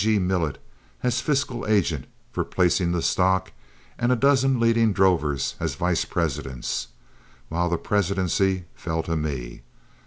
G. Millet as fiscal agent for placing the stock, and a dozen leading drovers as vice presidents, while the presidency fell to me.